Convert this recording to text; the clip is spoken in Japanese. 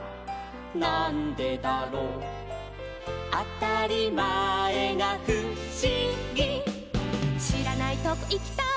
なんでだろう」「あたりまえがふしぎ」「しらないとこいきたい」